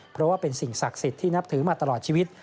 เพราะว่าเป็นสิ่งศักดิ์สิทธิ์ที่นับถือมาตลอดชีวิต